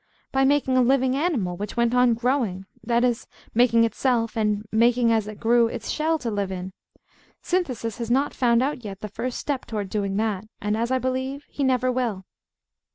By making a living animal, which went on growing, that is, making itself; and making, as it grew, its shell to live in. Synthesis has not found out yet the first step towards doing that; and, as I believe, he never will.